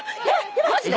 マジで？